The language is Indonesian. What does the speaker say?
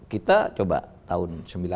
kita coba tahun